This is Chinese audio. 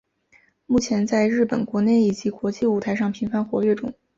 目前在日本国内以及国际舞台上频繁活跃中。